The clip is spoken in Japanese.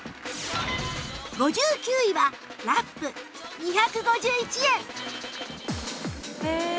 ５９位はラップ２５１円